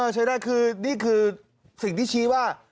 ใช้ได้คือนี่คือสิ่งที่ชี้ว่า